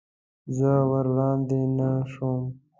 زه ور وړاندې نه شوم.